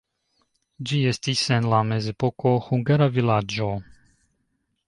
Ĝi estis en la mezepoko hungara vilaĝo.